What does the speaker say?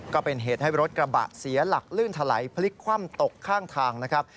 ก็เป็นเหตุให้รถกระบะเสียหลักลื่นถลายพลิกคว่ำตกข้างทางนะครับ